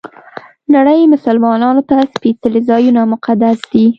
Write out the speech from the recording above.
نړۍ مسلمانانو ته سپېڅلي ځایونه مقدس دي.